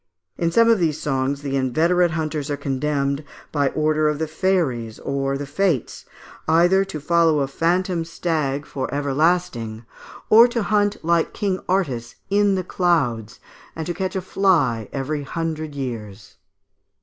In some of these songs the inveterate hunters are condemned, by the order of Fairies or of the Fates, either to follow a phantom stag for everlasting, or to hunt, like King Artus, in the clouds and to catch a fly every hundred years.